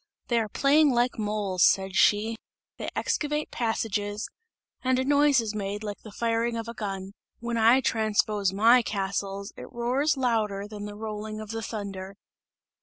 "They are playing like moles," said she, "they excavate passages, and a noise is made like the firing of a gun. When I transpose my castles, it roars louder than the rolling of the thunder!"